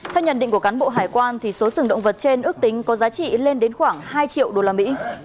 theo nhận định của cán bộ hải quan thì số sừng động vật trên ước tính có giá trị lên đến khoảng hai triệu usd